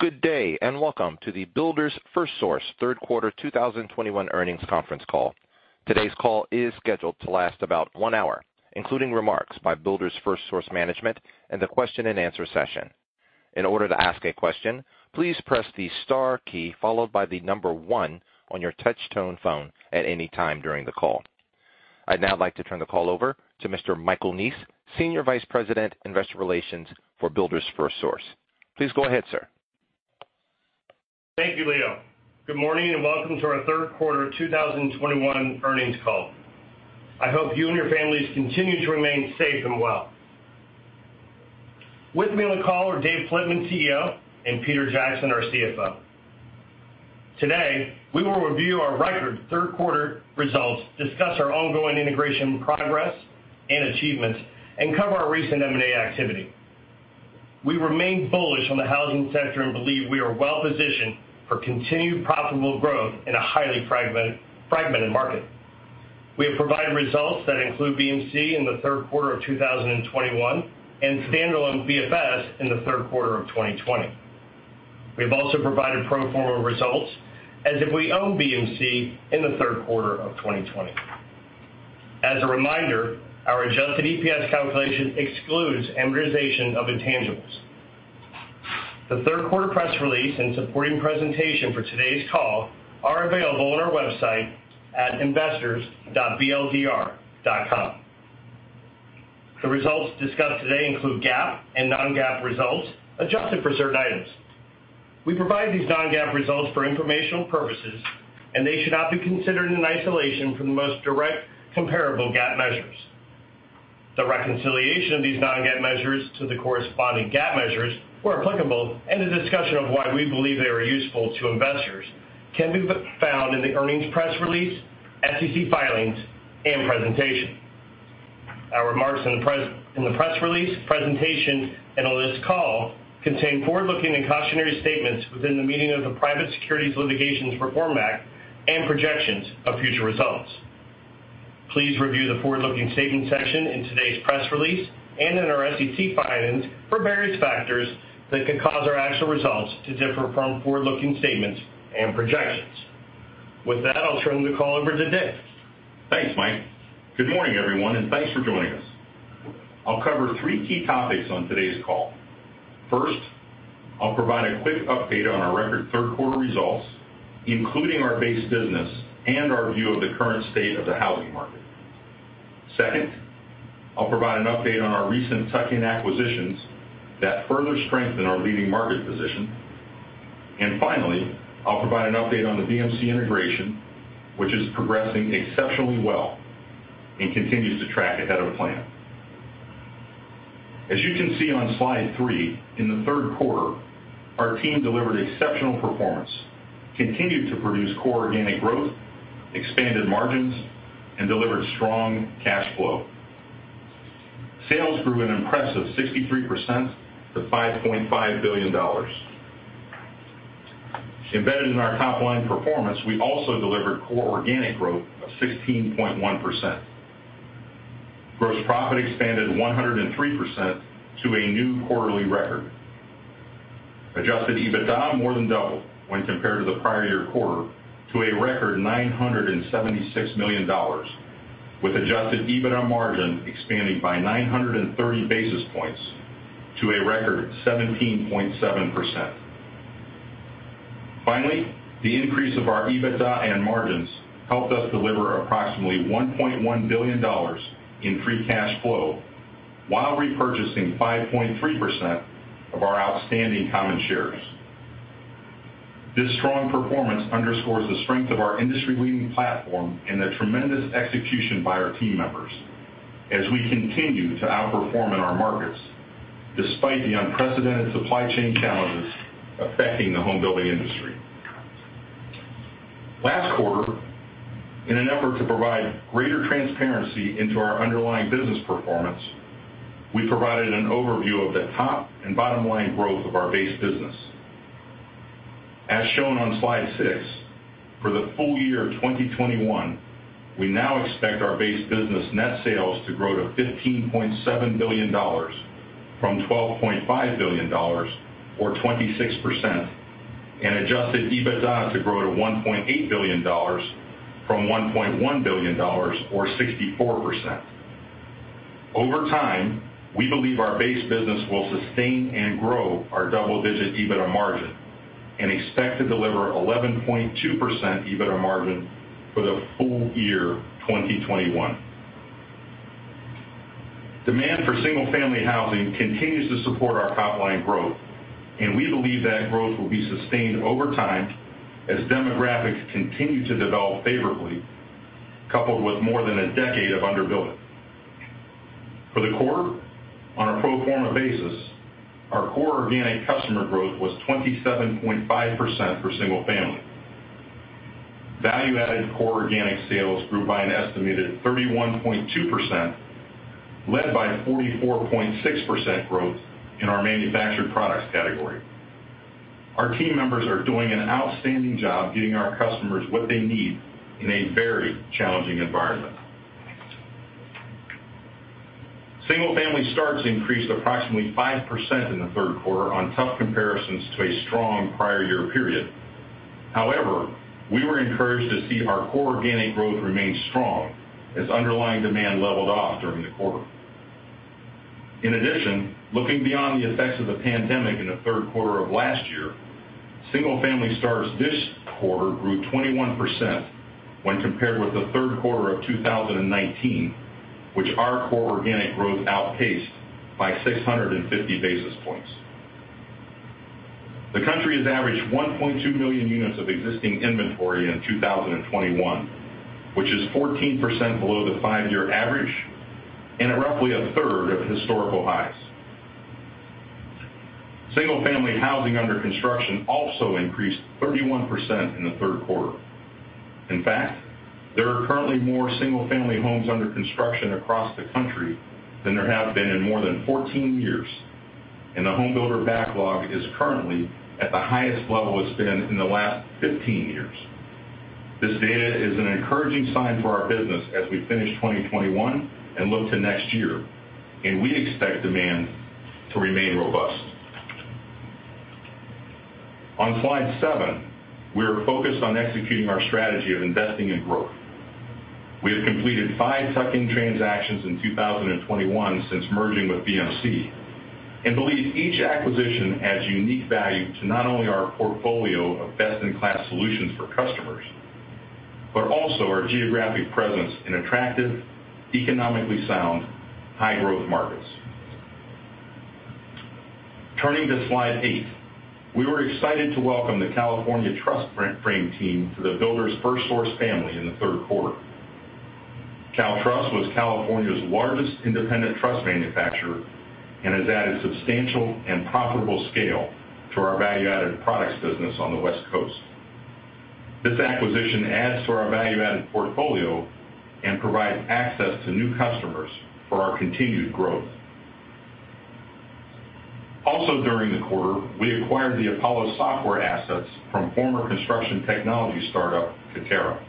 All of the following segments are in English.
Good day, and welcome to the Builders FirstSource Q3 2021 Earnings Conference Call. Today's call is scheduled to last about one hour, including remarks by Builders FirstSource management and the Q&A session. In order to ask a question, please press the star key followed by the number one on your touch tone phone at any time during the call. I'd now like to turn the call over to Mr. Michael Neese, Senior Vice President, Investor Relations for Builders FirstSource. Please go ahead, sir. Thank you, Leo. Good morning, and welcome to our Q3 2021 Earnings Call. I hope you and your families continue to remain safe and well. With me on the call are Dave Flitman, CEO, and Peter Jackson, our CFO. Today, we will review our record Q3 results, discuss our ongoing integration progress and achievements, and cover our recent M&A activity. We remain bullish on the housing sector and believe we are well-positioned for continued profitable growth in a highly fragmented market. We have provided results that include BMC in the Q3 of 2021 and standalone BFS in the Q3 of 2020. We have also provided pro forma results as if we own BMC in the Q3 of 2020. As a reminder, our adjusted EPS calculation excludes amortization of intangibles. The Q3 press release and supporting presentation for today's call are available on our website at investors.bldr.com. The results discussed today include GAAP and non-GAAP results adjusted for certain items. We provide these non-GAAP results for informational purposes, and they should not be considered in isolation from the most direct comparable GAAP measures. The reconciliation of these non-GAAP measures to the corresponding GAAP measures, where applicable, and a discussion of why we believe they are useful to investors can be found in the earnings press release, SEC filings, and presentation. Our remarks in the press release, presentation, and on this call contain forward-looking and cautionary statements within the meaning of the Private Securities Litigation Reform Act and projections of future results. Please review the forward-looking statements section in today's press release and in our SEC filings for various factors that could cause our actual results to differ from forward-looking statements and projections. With that, I'll turn the call over to Dave. Thanks, Mike. Good morning, everyone, and thanks for joining us. I'll cover three key topics on today's call. First, I'll provide a quick update on our record Q3 results, including our base business and our view of the current state of the housing market. Second, I'll provide an update on our recent tuck-in acquisitions that further strengthen our leading market position. Finally, I'll provide an update on the BMC integration, which is progressing exceptionally well and continues to track ahead of plan. As you can see on slide four, in the Q3, our team delivered exceptional performance, continued to produce core organic growth, expanded margins, and delivered strong cash flow. Sales grew an impressive 63% to $5.5 billion. Embedded in our top line performance, we also delivered core organic growth of 16.1%. Gross profit expanded 103% to a new quarterly record. Adjusted EBITDA more than doubled when compared to the prior year quarter to a record $976 million, with adjusted EBITDA margin expanding by 930 basis points to a record 17.7%. Finally, the increase of our EBITDA and margins helped us deliver approximately $1.1 billion in free cash flow while repurchasing 5.3% of our outstanding common shares. This strong performance underscores the strength of our industry-leading platform and the tremendous execution by our team members as we continue to outperform in our markets despite the unprecedented supply chain challenges affecting the home building industry. Last quarter, in an effort to provide greater transparency into our underlying business performance, we provided an overview of the top and bottom-line growth of our base business. As shown on slide six, for the full year of 2021, we now expect our base business net sales to grow to $15.7 billion from $12.5 billion or 26% and adjusted EBITDA to grow to $1.8 billion from $1.1 billion or 64%. Over time, we believe our base business will sustain and grow our double-digit EBITDA margin and expect to deliver 11.2% EBITDA margin for the full year 2021. Demand for single-family housing continues to support our top line growth, and we believe that growth will be sustained over time as demographics continue to develop favorably, coupled with more than a decade of underbuilding. For the quarter, on a pro forma basis, our core organic customer growth was 27.5% for single family. Value-added core organic sales grew by an estimated 31.2%, led by 44.6% growth in our manufactured products category. Our team members are doing an outstanding job getting our customers what they need in a very challenging environment. Single-family starts increased approximately 5% in the Q3 on tough comparisons to a strong prior year period. However, we were encouraged to see our core organic growth remain strong as underlying demand leveled off during the quarter. In addition, looking beyond the effects of the pandemic in the Q3 of last year, single-family starts this quarter grew 21% when compared with the Q3 of 2019, which our core organic growth outpaced by 650 basis points. The country has averaged 1.2 million units of existing inventory in 2021, which is 14% below the five year average and at roughly a third of historical highs. Single-family housing under construction also increased 31% in the Q3. In fact, there are currently more single-family homes under construction across the country than there have been in more than 14 years, and the home builder backlog is currently at the highest level it's been in the last 15 years. This data is an encouraging sign for our business as we finish 2021 and look to next year, and we expect demand to remain robust. On slide seven, we are focused on executing our strategy of investing in growth. We have completed five tuck-in transactions in 2021 since merging with BMC, and believe each acquisition adds unique value to not only our portfolio of best-in-class solutions for customers, but also our geographic presence in attractive, economically sound, high-growth markets. Turning to slide eight. We were excited to welcome the California TrusFrame team to the Builders FirstSource family in the Q3. California TrusFrame was California's largest independent truss manufacturer and has added substantial and profitable scale to our value-added products business on the West Coast. This acquisition adds to our value-added portfolio and provides access to new customers for our continued growth. Also during the quarter, we acquired the Apollo software assets from former construction technology startup, Katerra.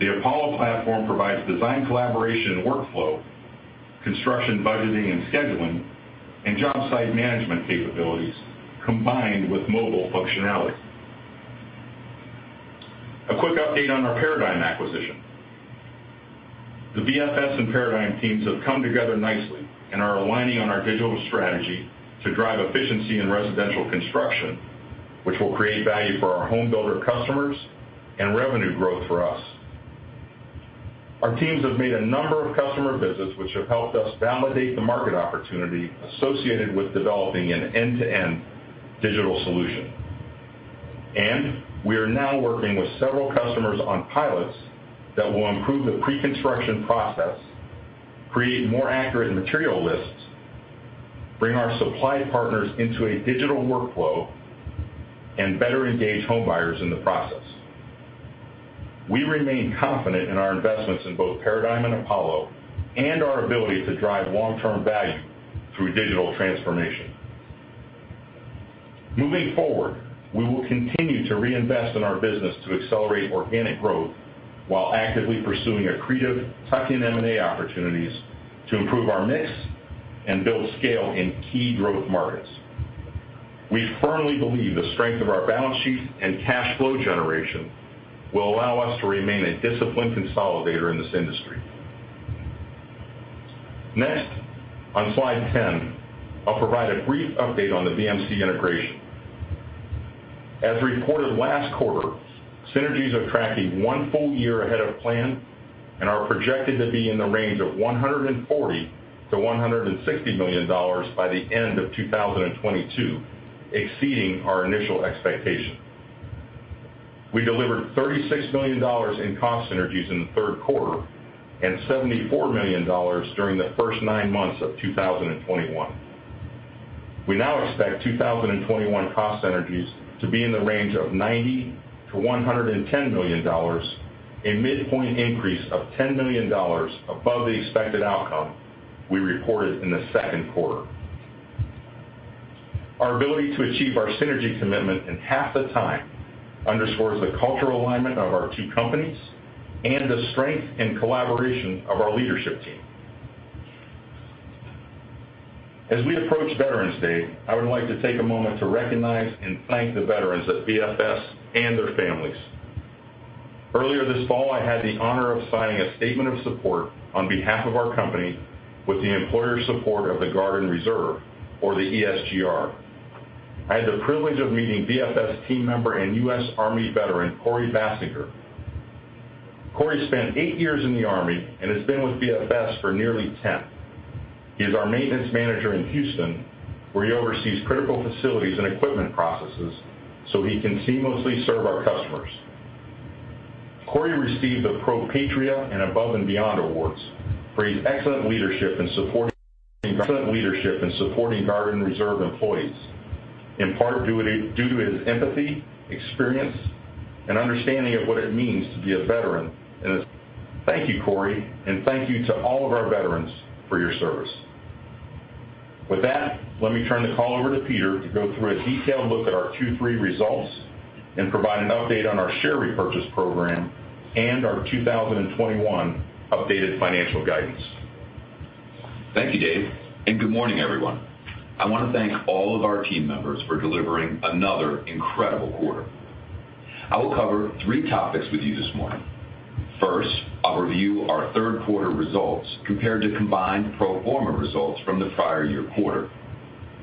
The Apollo platform provides design collaboration and workflow, construction budgeting and scheduling, and job site management capabilities combined with mobile functionality. A quick update on our Paradigm acquisition. The BFS and Paradigm teams have come together nicely and are aligning on our digital strategy to drive efficiency in residential construction, which will create value for our home builder customers and revenue growth for us. Our teams have made a number of customer visits which have helped us validate the market opportunity associated with developing an end-to-end digital solution. We are now working with several customers on pilots that will improve the pre-construction process, create more accurate material lists, bring our supply partners into a digital workflow, and better engage home buyers in the process. We remain confident in our investments in both Paradigm and Apollo and our ability to drive long-term value through digital transformation. Moving forward, we will continue to reinvest in our business to accelerate organic growth while actively pursuing accretive tuck-in M&A opportunities to improve our mix and build scale in key growth markets. We firmly believe the strength of our balance sheet and cash flow generation will allow us to remain a disciplined consolidator in this industry. Next, on slide 10, I'll provide a brief update on the BMC integration. As reported last quarter, synergies are tracking one full year ahead of plan and are projected to be in the range of $140 million to $160 million by the end of 2022, exceeding our initial expectation. We delivered $36 million in cost synergies in the Q3 and $74 million during the first nine months of 2021. We now expect 2021 cost synergies to be in the range of $90 million to $110 million, a midpoint increase of $10 million above the expected outcome we reported in the Q2. Our ability to achieve our synergy commitment in half the time underscores the cultural alignment of our two companies and the strength and collaboration of our leadership team. As we approach Veterans Day, I would like to take a moment to recognize and thank the veterans at BFS and their families. Earlier this fall, I had the honor of signing a statement of support on behalf of our company with the Employer Support of the Guard and Reserve, or the ESGR. I had the privilege of meeting BFS team member and U.S. Army veteran, Corey Bassinger. Corey spent eight years in the Army and has been with BFS for nearly 10. He is our maintenance manager in Houston, where he oversees critical facilities and equipment processes so he can seamlessly serve our customers. Corey received the Pro Patria and Above and Beyond awards for his excellent leadership in supporting Guard and Reserve employees, in part due to his empathy, experience, and understanding of what it means to be a veteran. Thank you, Corey, and thank you to all of our veterans for your service. With that, let me turn the call over to Peter to go through a detailed look at our Q3 results and provide an update on our share repurchase program and our 2021 updated financial guidance. Thank you, Dave, and good morning, everyone. I wanna thank all of our team members for delivering another incredible quarter. I will cover three topics with you this morning. First, I'll review our Q3 results compared to combined pro forma results from the prior year quarter.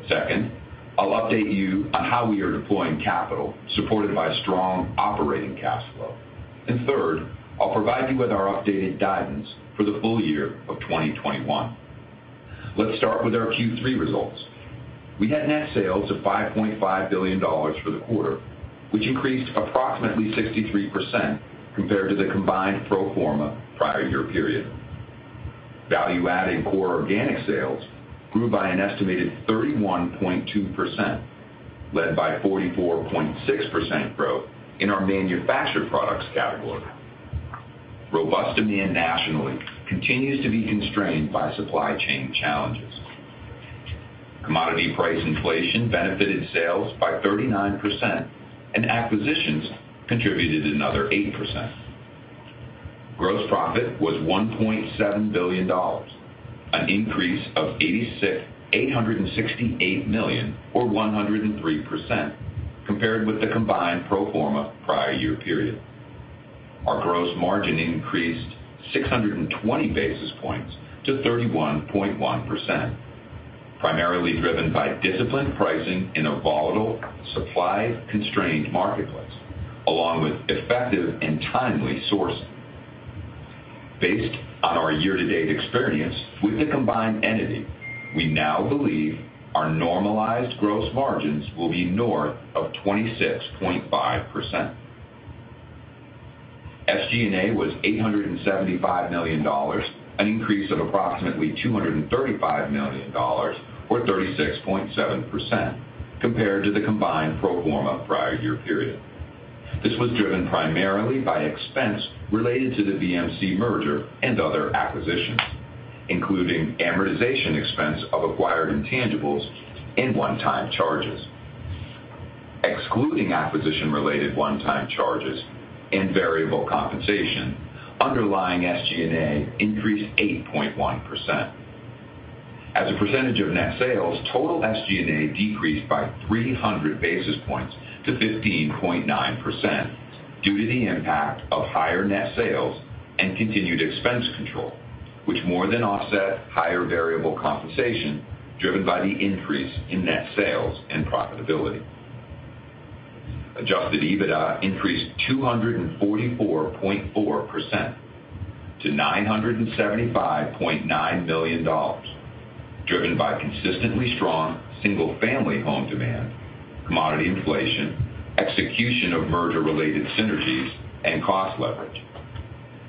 Second, I'll update you on how we are deploying capital supported by strong operating cash flow. Third, I'll provide you with our updated guidance for the full year of 2021. Let's start with our Q3 results. We had net sales of $5.5 billion for the quarter, which increased approximately 63% compared to the combined pro forma prior year period. Value-added core organic sales grew by an estimated 31.2%, led by 44.6% growth in our manufactured products category. Robust demand nationally continues to be constrained by supply chain challenges. Commodity price inflation benefited sales by 39%, and acquisitions contributed another 8%. Gross profit was $1.7 billion, an increase of $868 million or 103% compared with the combined pro forma prior year period. Our gross margin increased 620 basis points to 31.1%, primarily driven by disciplined pricing in a volatile supply-constrained marketplace, along with effective and timely sourcing. Based on our year-to-date experience with the combined entity, we now believe our normalized gross margins will be north of 26.5%. SG&A was $875 million, an increase of approximately $235 million or 36.7% compared to the combined pro forma prior year period. This was driven primarily by expense related to the BMC merger and other acquisitions, including amortization expense of acquired intangibles and one-time charges. Excluding acquisition-related one-time charges and variable compensation, underlying SG&A increased 8.1%. As a percentage of net sales, total SG&A decreased by 300 basis points to 15.9% due to the impact of higher net sales and continued expense control, which more than offset higher variable compensation driven by the increase in net sales and profitability. Adjusted EBITDA increased 244.4% to $975.9 million, driven by consistently strong single-family home demand, commodity inflation, execution of merger-related synergies, and cost leverage.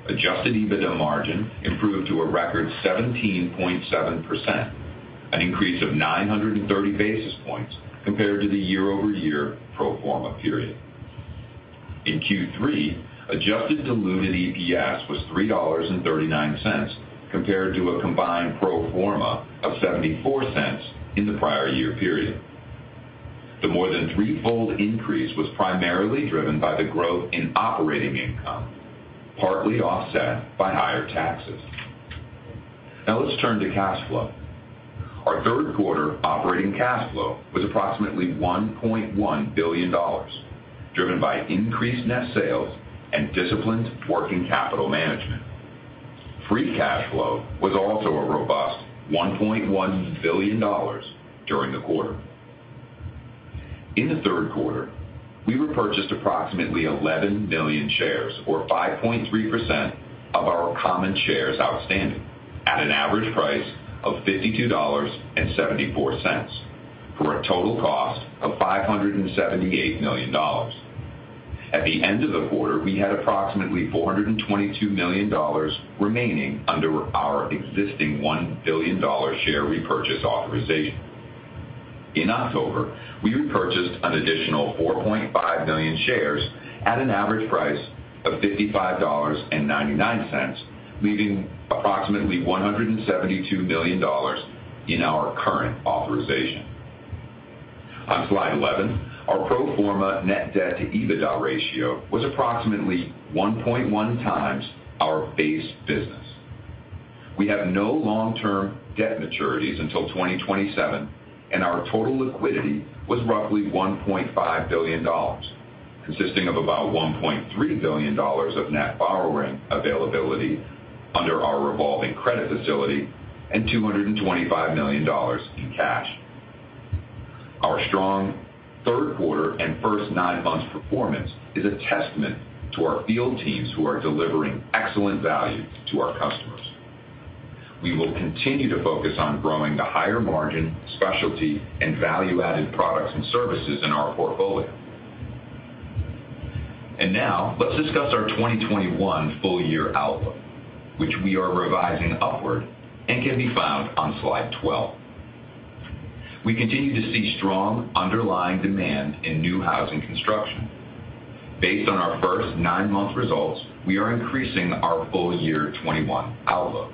Adjusted EBITDA margin improved to a record 17.7%, an increase of 930 basis points compared to the year-over-year pro forma period. In Q3, adjusted diluted EPS was $3.39 compared to a combined pro forma of $0.74 in the prior year period. The more than threefold increase was primarily driven by the growth in operating income, partly offset by higher taxes. Now let's turn to cash flow. Our Q3 operating cash flow was approximately $1.1 billion, driven by increased net sales and disciplined working capital management. Free cash flow was also a robust $1.1 billion during the quarter. In the Q3, we repurchased approximately 11 million shares or 5.3% of our common shares outstanding at an average price of $52.74 for a total cost of $578 million. At the end of the quarter, we had approximately $422 million remaining under our existing $1 billion share repurchase authorization. In October, we repurchased an additional 4.5 million shares at an average price of $55.99, leaving approximately $172 million in our current authorization. On slide 11, our pro forma net debt to EBITDA ratio was approximately 1.1x our base business. We have no long-term debt maturities until 2027, and our total liquidity was roughly $1.5 billion, consisting of about $1.3 billion of net borrowing availability under our revolving credit facility and $225 million in cash. Our strong Q3 and first nine months performance is a testament to our field teams who are delivering excellent value to our customers. We will continue to focus on growing the higher margin specialty and value-added products and services in our portfolio. Now let's discuss our 2021 full year outlook, which we are revising upward and can be found on slide 12. We continue to see strong underlying demand in new housing construction. Based on our first nine month results, we are increasing our full year 2021 outlook.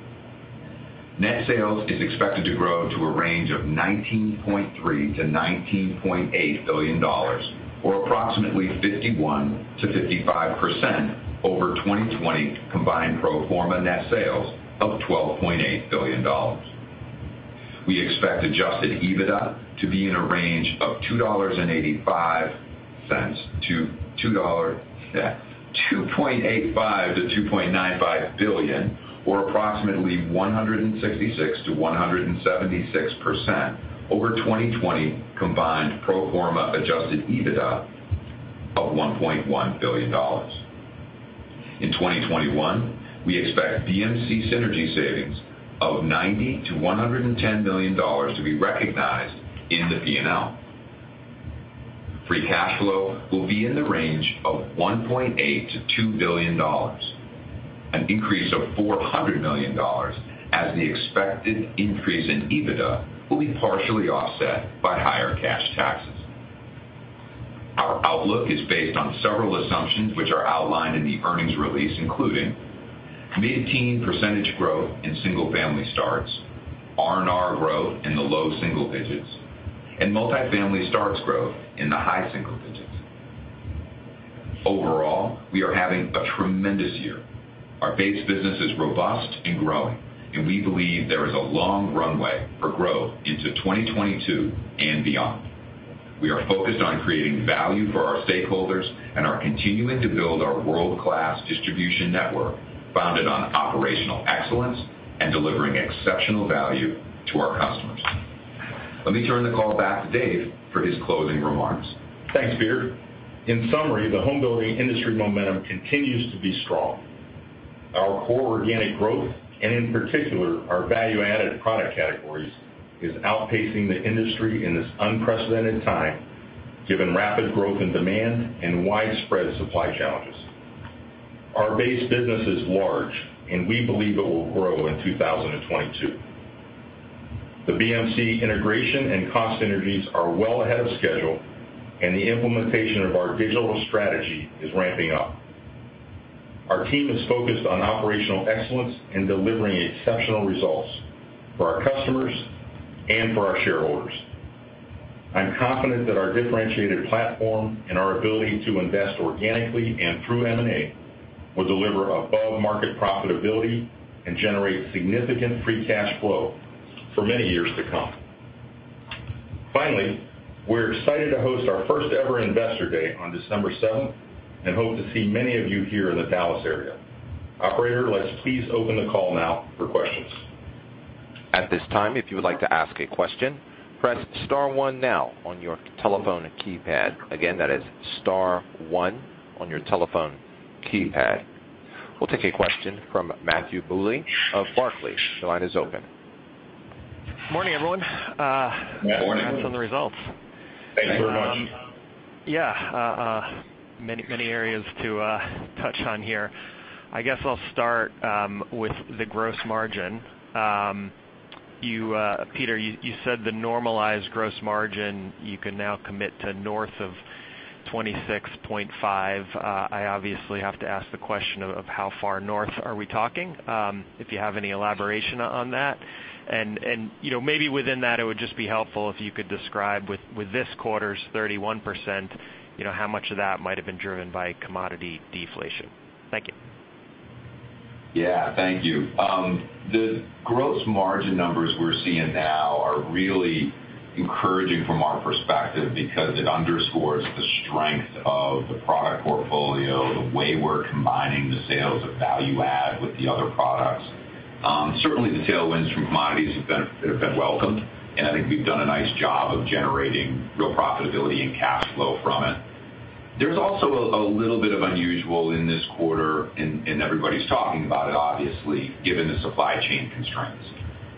Net sales is expected to grow to a range of $19.3 billion to $19.8 billion or approximately 51% to 55% over 2020 combined pro forma net sales of $12.8 billion. We expect adjusted EBITDA to be in a range of $2.85 to $2. $2.85 billion to $2.95 billion or approximately 166% to 176% over 2020 combined pro forma adjusted EBITDA of $1.1 billion. In 2021, we expect BMC synergy savings of $90 million to $110 million to be recognized in the P&L. Free cash flow will be in the range of $1.8 billion to $2 billion, an increase of $400 million as the expected increase in EBITDA will be partially offset by higher cash taxes. Our outlook is based on several assumptions which are outlined in the earnings release, including mid-teens percentage growth in single-family starts, R&R growth in the low single digits, and multifamily starts growth in the high single digits. Overall, we are having a tremendous year. Our base business is robust and growing, and we believe there is a long runway for growth into 2022 and beyond. We are focused on creating value for our stakeholders and are continuing to build our world-class distribution network founded on operational excellence and delivering exceptional value to our customers. Let me turn the call back to Dave for his closing remarks. Thanks, Peter. In summary, the home building industry momentum continues to be strong. Our core organic growth, and in particular, our value-added product categories, is outpacing the industry in this unprecedented time, given rapid growth in demand and widespread supply challenges. Our base business is large, and we believe it will grow in 2022. The BMC integration and cost synergies are well ahead of schedule, and the implementation of our digital strategy is ramping up. Our team is focused on operational excellence and delivering exceptional results for our customers and for our shareholders. I'm confident that our differentiated platform and our ability to invest organically and through M&A will deliver above-market profitability and generate significant free cash flow for many years to come. Finally, we're excited to host our first ever Investor Day on December7th and hope to see many of you here in the Dallas area. Operator, let's please open the call now for questions. At this time if you would like to ask a question, press star one now on your telephone keypad, again star one on your telephone keypad. We'll take a question from Matthew Bouley of Barclays. Your line is open. Morning, everyone. Morning. Morning. Congrats on the results. Thanks. Sure. Yeah. Many areas to touch on here. I guess I'll start with the gross margin. Peter, you said the normalized gross margin you can now commit to north of 26.5%. I obviously have to ask the question of how far north are we talking, if you have any elaboration on that. You know, maybe within that, it would just be helpful if you could describe with this quarter's 31%, you know, how much of that might have been driven by commodity deflation. Thank you. Yeah. Thank you. The gross margin numbers we're seeing now are really encouraging from our perspective because it underscores the strength of the product portfolio, the way we're combining the sales of value add with the other products. Certainly the tailwinds from commodities have been welcomed, and I think we've done a nice job of generating real profitability and cash flow from it. There's also a little bit of unusual in this quarter, and everybody's talking about it, obviously, given the supply chain constraints.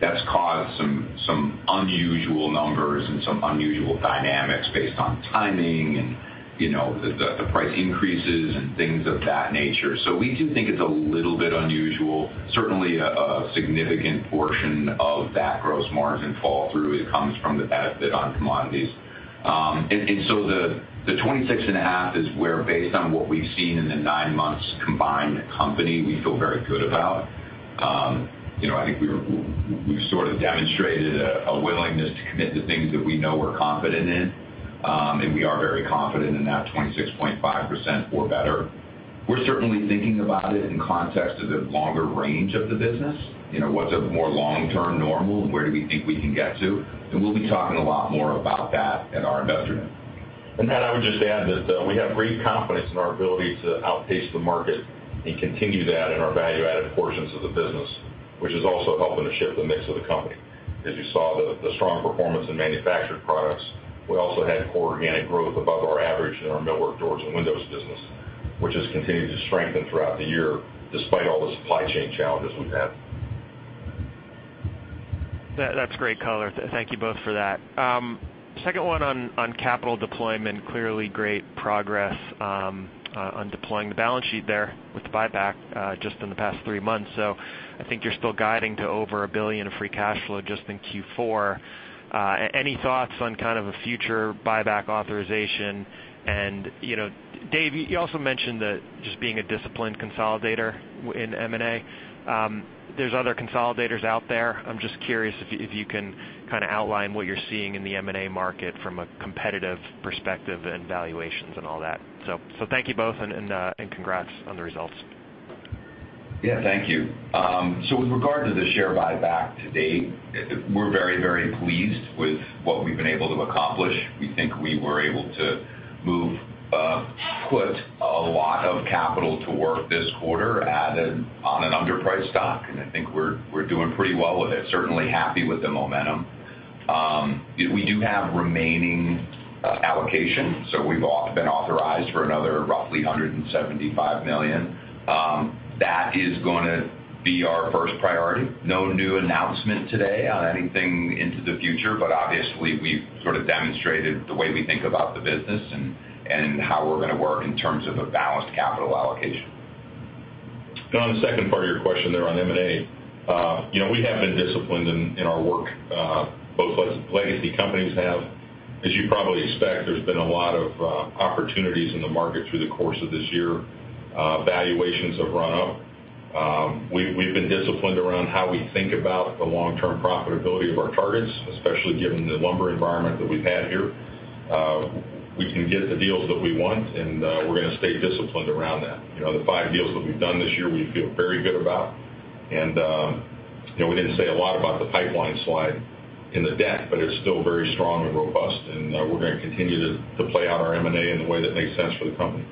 That's caused some unusual numbers and some unusual dynamics based on timing and, you know, the price increases and things of that nature. So we do think it's a little bit unusual. Certainly a significant portion of that gross margin fall through it comes from the benefit on commodities. The 26.5 is where, based on what we've seen in the nine months combined company, we feel very good about. You know, I think we've sort of demonstrated a willingness to commit to things that we know we're confident in, and we are very confident in that 26.5% or better. We're certainly thinking about it in context of the longer range of the business. You know, what's a more long-term normal, and where do we think we can get to? We'll be talking a lot more about that at our Investor Day. Matt, I would just add that we have great confidence in our ability to outpace the market and continue that in our value-added portions of the business, which is also helping to shift the mix of the company. As you saw the strong performance in manufactured products, we also had core organic growth above our average in our millwork, doors, and windows business, which has continued to strengthen throughout the year despite all the supply chain challenges we've had. That's great color. Thank you both for that. Second one on capital deployment, clearly great progress on deploying the balance sheet there with the buyback just in the past three months. I think you're still guiding to over $1 billion of free cash flow just in Q4. Any thoughts on kind of a future buyback authorization? You know, Dave, you also mentioned that just being a disciplined consolidator in M&A. There's other consolidators out there. I'm just curious if you can kinda outline what you're seeing in the M&A market from a competitive perspective and valuations and all that. Thank you both and congrats on the results. Yeah. Thank you. So with regard to the share buyback to date, we're very, very pleased with what we've been able to accomplish. We think we were able to put a lot of capital to work this quarter on an underpriced stock, and I think we're doing pretty well with it, certainly happy with the momentum. We do have remaining allocation, so we've been authorized for another roughly $175 million. That is gonna be our first priority. No new announcement today on anything into the future, but obviously, we've sort of demonstrated the way we think about the business and how we're gonna work in terms of a balanced capital allocation. On the second part of your question there on M&A, you know, we have been disciplined in our work, both legacy companies have. As you probably expect, there's been a lot of opportunities in the market through the course of this year. Valuations have run up. We've been disciplined around how we think about the long-term profitability of our targets, especially given the lumber environment that we've had here. We can get the deals that we want, and we're gonna stay disciplined around that. You know, the five deals that we've done this year, we feel very good about. You know, we didn't say a lot about the pipeline slide in the deck, but it's still very strong and robust, and we're gonna continue to play out our M&A in the way that makes sense for the company.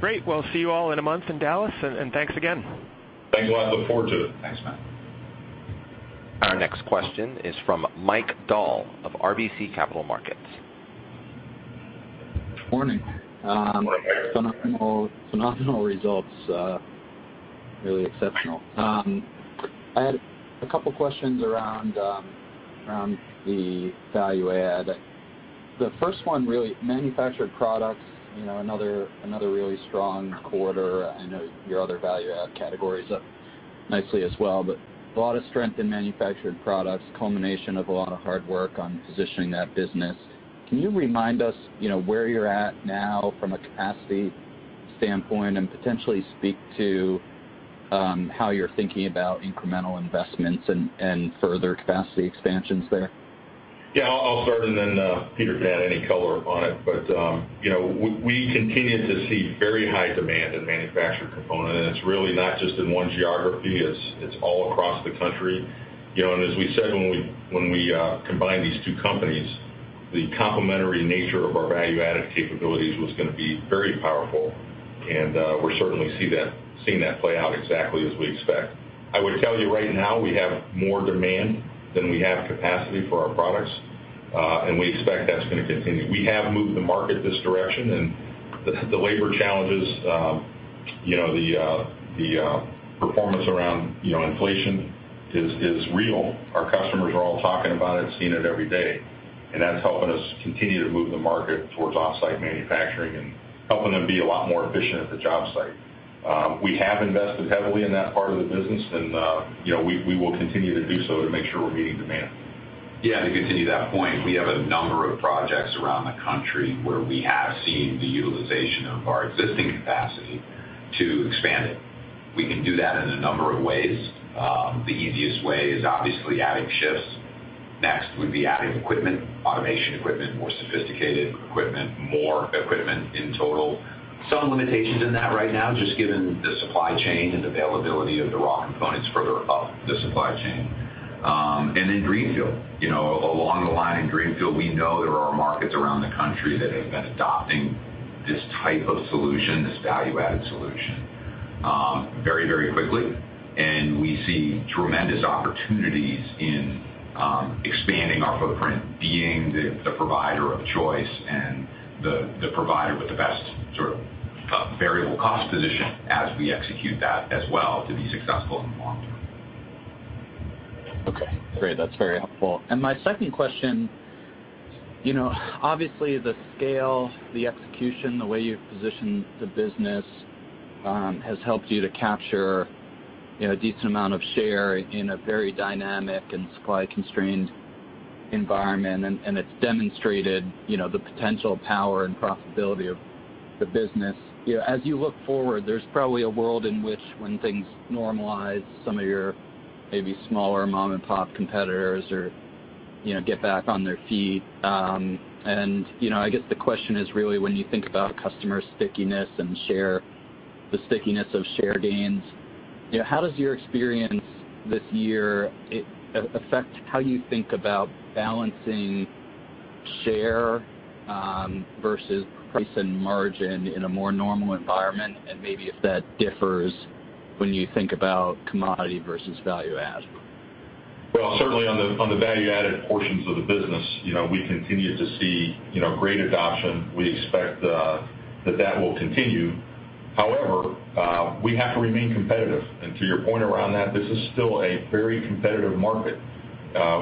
Great. Well, see you all in a month in Dallas, and thanks again. Thanks a lot. I look forward to it. Thanks, Matt. Our next question is from Mike Dahl of RBC Capital Markets. Morning. Morning. Morning. Phenomenal results, really exceptional. I had a couple questions around the value add. The first one really, manufactured products, you know, another really strong quarter. I know your other value add categories up nicely as well, but a lot of strength in manufactured products, culmination of a lot of hard work on positioning that business. Can you remind us, you know, where you're at now from a capacity standpoint, and potentially speak to how you're thinking about incremental investments and further capacity expansions there? Yeah. I'll start, and then, Peter can add any color on it. You know, we continue to see very high demand in manufactured component, and it's really not just in one geography, it's all across the country. You know, and as we said when we combined these two companies, the complementary nature of our value-added capabilities was gonna be very powerful, and, we're certainly seeing that play out exactly as we expect. I would tell you right now, we have more demand than we have capacity for our products, and we expect that's gonna continue. We have moved the market this direction, and the labor challenges, you know, the performance around, you know, inflation is real. Our customers are all talking about it, seeing it every day, and that's helping us continue to move the market towards off-site manufacturing and helping them be a lot more efficient at the job site. We have invested heavily in that part of the business, and, you know, we will continue to do so to make sure we're meeting demand. Yeah, to continue that point, we have a number of projects around the country where we have seen the utilization of our existing capacity to expand it. We can do that in a number of ways. The easiest way is obviously adding shifts. Next would be adding equipment, automation equipment, more sophisticated equipment, more equipment in total. Some limitations in that right now just given the supply chain and availability of the raw components further up the supply chain. Then Greenfield. You know, along the line in Greenfield, we know there are markets around the country that have been adopting this type of solution, this value-added solution, very, very quickly. We see tremendous opportunities in expanding our footprint, being the provider of choice and the provider with the best sort of variable cost position as we execute that as well to be successful in the long term. Okay. Great. That's very helpful. My second question, you know, obviously, the scale, the execution, the way you've positioned the business, has helped you to capture, you know, a decent amount of share in a very dynamic and supply-constrained environment, and it's demonstrated, you know, the potential power and profitability of the business. You know, as you look forward, there's probably a world in which when things normalize, some of your maybe smaller mom-and-pop competitors are, you know, get back on their feet. I guess the question is really when you think about customer stickiness and share, the stickiness of share gains, you know, how does your experience this year affect how you think about balancing share versus price and margin in a more normal environment, and maybe if that differs when you think about commodity versus value add? Well, certainly on the value-added portions of the business, you know, we continue to see, you know, great adoption. We expect that will continue. However, we have to remain competitive. To your point around that, this is still a very competitive market.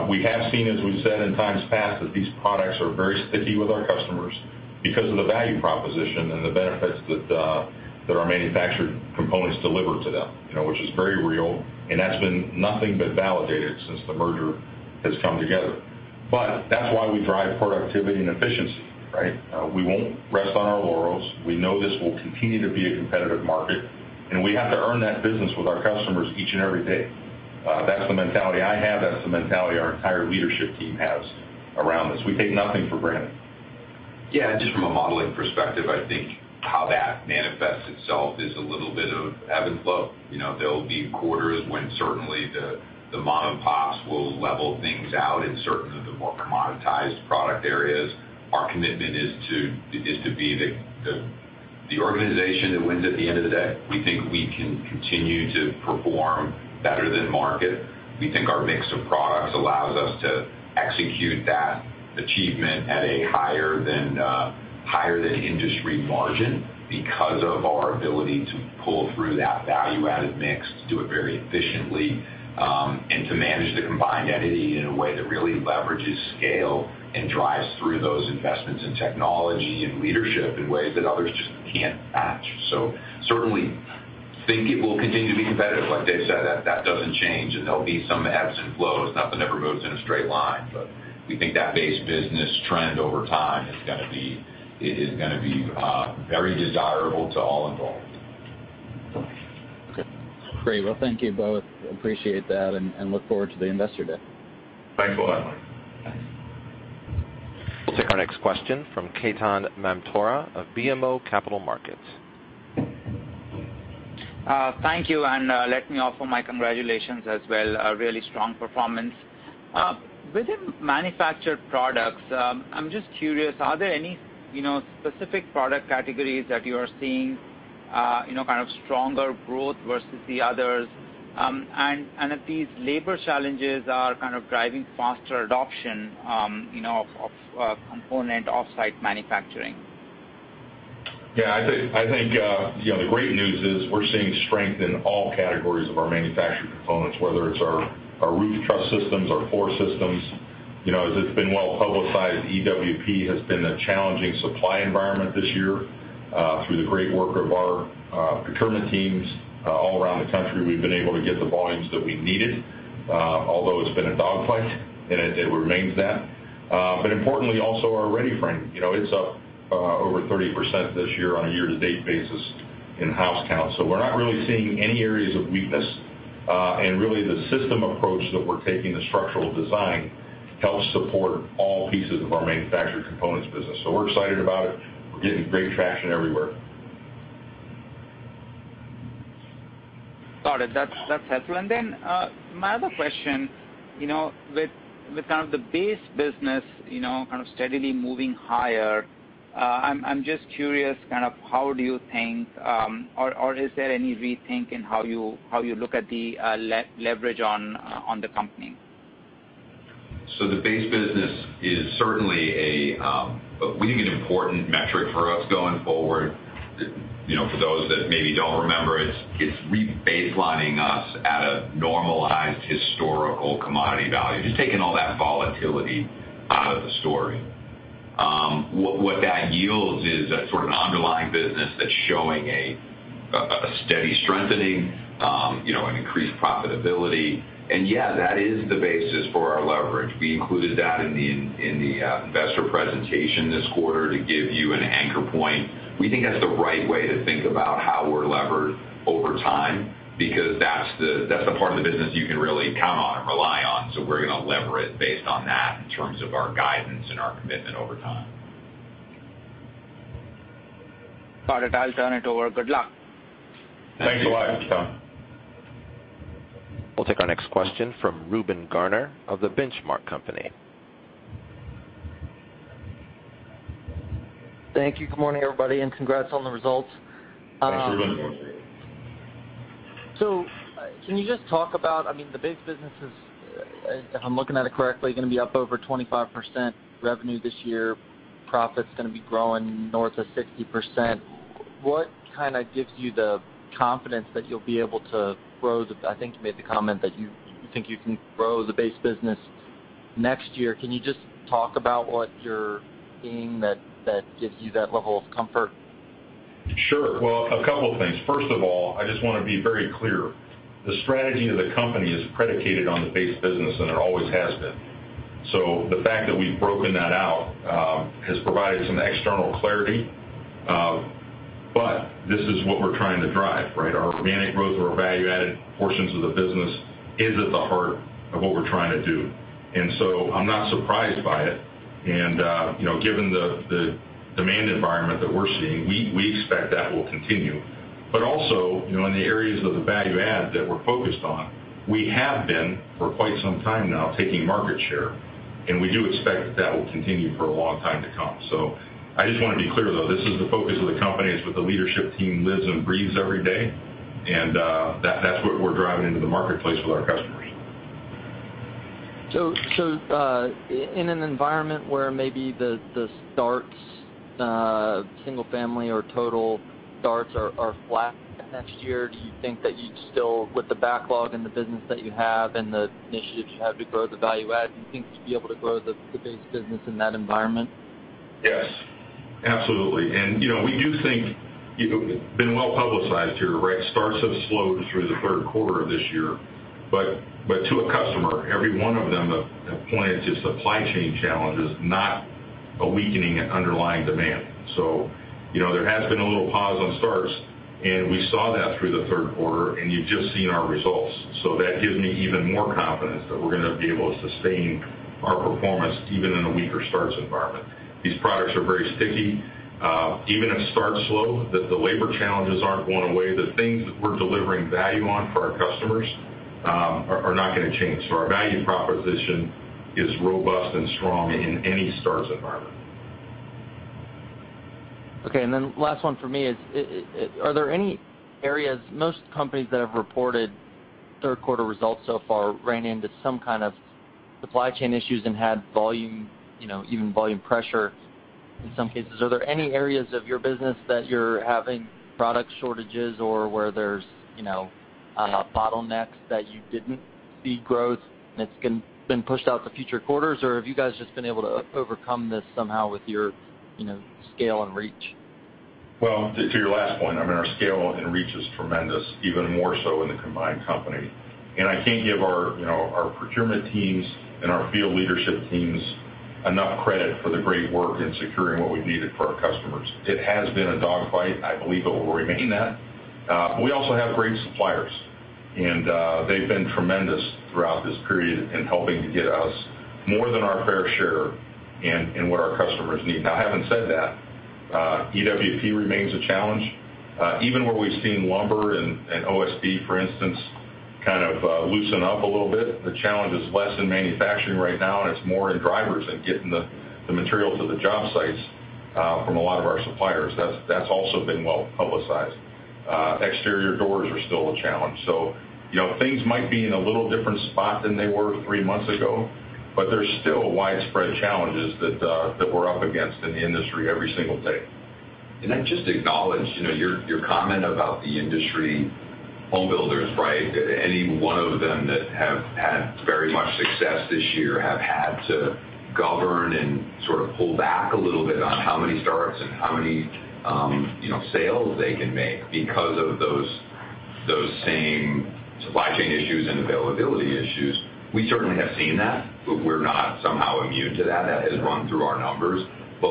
We have seen, as we've said in times past, that these products are very sticky with our customers because of the value proposition and the benefits that our manufactured components deliver to them, you know, which is very real, and that's been nothing but validated since the merger has come together. That's why we drive productivity and efficiency, right? We won't rest on our laurels. We know this will continue to be a competitive market, and we have to earn that business with our customers each and every day. That's the mentality I have, that's the mentality our entire leadership team has around this. We take nothing for granted. Yeah. Just from a modeling perspective, I think how that manifests itself is a little bit of ebb and flow. You know, there'll be quarters when certainly the monopsonies will level things out in certain of the more commoditized product areas. Our commitment is to be the organization that wins at the end of the day. We think we can continue to perform better than market. We think our mix of products allows us to execute that achievement at a higher than industry margin because of our ability to pull through that value-added mix, to do it very efficiently, and to manage the combined entity in a way that really leverages scale and drives through those investments in technology and leadership in ways that others just can't match. Certainly think it will continue to be competitive. Like Dave said, that doesn't change, and there'll be some ebbs and flows. Nothing ever moves in a straight line, but we think that base business trend over time is gonna be very desirable to all involved. Okay. Great. Well, thank you both. Appreciate that and look forward to the Investor Day. Thanks a lot. Thanks. We'll take our next question from Ketan Mamtora of BMO Capital Markets. Thank you, and let me offer my congratulations as well. A really strong performance. Within manufactured products, I'm just curious, are there any, you know, specific product categories that you are seeing, you know, kind of stronger growth versus the others? If these labor challenges are kind of driving faster adoption, you know, of component offsite manufacturing? Yeah, I think you know, the great news is we're seeing strength in all categories of our manufactured components, whether it's our roof truss systems, our floor systems. You know, as it's been well publicized, EWP has been a challenging supply environment this year. Through the great work of our procurement teams all around the country, we've been able to get the volumes that we've needed, although it's been a dogfight, and it remains that. Importantly, also our READY-FRAME. You know, it's up over 30% this year on a year-to-date basis in house count. So we're not really seeing any areas of weakness. Really the system approach that we're taking, the structural design, helps support all pieces of our manufactured components business. So we're excited about it. We're getting great traction everywhere. Got it. That's helpful. My other question: You know, with kind of the base business, you know, kind of steadily moving higher, I'm just curious, kind of how do you think, or is there any rethink in how you look at the leverage on the company? The base business is certainly a we think an important metric for us going forward. You know, for those that maybe don't remember, it's rebaselining us at a normalized historical commodity value, just taking all that volatility out of the story. What that yields is a sort of an underlying business that's showing a steady strengthening, you know, an increased profitability. Yeah, that is the basis for our leverage. We included that in the Investor presentation this quarter to give you an anchor point. We think that's the right way to think about how we're levered over time because that's the part of the business you can really count on and rely on. We're gonna lever it based on that in terms of our guidance and our commitment over time. Got it. I'll turn it over. Good luck. Thanks a lot, Ketan. Thank you. We'll take our next question from Reuben Garner of the Benchmark Company. Thank you. Good morning, everybody, and congrats on the results. Thanks, Reuben. Thanks. Can you just talk about, I mean, the base business is, if I'm looking at it correctly, gonna be up over 25% revenue this year. Profit's gonna be growing north of 60%. What kinda gives you the confidence that you'll be able to grow the, I think you made the comment that you think you can grow the base business next year. Can you just talk about what you're seeing that gives you that level of comfort? Sure. Well, a couple things. First of all, I just wanna be very clear. The strategy of the company is predicated on the base business, and it always has been. The fact that we've broken that out has provided some external clarity, but this is what we're trying to drive, right? Our organic growth or our value-added portions of the business is at the heart of what we're trying to do. I'm not surprised by it. You know, given the demand environment that we're seeing, we expect that will continue. Also, you know, in the areas of the value add that we're focused on, we have been for quite some time now taking market share, and we do expect that that will continue for a long time to come. I just wanna be clear, though, this is the focus of the company. It's what the leadership team lives and breathes every day, and, that's what we're driving into the marketplace with our customers. In an environment where maybe the starts, single family or total starts are flat next year, do you think that you'd still, with the backlog and the business that you have and the initiatives you have to grow the value add, do you think you'd be able to grow the base business in that environment? Yes, absolutely. You know, we do think it's been well-publicized here, right? Starts have slowed through the Q3 of this year. To a customer, every one of them have pointed to supply chain challenges, not a weakening in underlying demand. You know, there has been a little pause on starts, and we saw that through the Q3, and you've just seen our results. That gives me even more confidence that we're gonna be able to sustain our performance even in a weaker starts environment. These products are very sticky. Even if starts slow, the labor challenges aren't going away. The things that we're delivering value on for our customers are not gonna change. Our value proposition is robust and strong in any starts environment. Okay. Then last one from me is, are there any areas most companies that have reported Q3 results so far ran into some kind of supply chain issues and had volume, you know, even volume pressure in some cases. Are there any areas of your business that you're having product shortages or where there's, you know, bottlenecks that you didn't see growth that's been pushed out to future quarters? Or have you guys just been able to overcome this somehow with your, you know, scale and reach? Well, to your last point, I mean, our scale and reach is tremendous, even more so in the combined company. I can't give our, you know, our procurement teams and our field leadership teams enough credit for the great work in securing what we've needed for our customers. It has been a dogfight. I believe it will remain that. We also have great suppliers, and they've been tremendous throughout this period in helping to get us more than our fair share in what our customers need. Now, having said that, EWP remains a challenge. Even where we've seen lumber and OSB, for instance, kind of loosen up a little bit, the challenge is less in manufacturing right now, and it's more in drivers and getting the material to the job sites from a lot of our suppliers. That's also been well-publicized. Exterior doors are still a challenge. You know, things might be in a little different spot than they were three months ago, but there's still widespread challenges that we're up against in the industry every single day. Can I just acknowledge, you know, your comment about the industry home builders, right? Any one of them that have had very much success this year have had to govern and sort of pull back a little bit on how many starts and how many, you know, sales they can make because of those same supply chain issues and availability issues. We certainly have seen that, but we're not somehow immune to that. That has run through our numbers.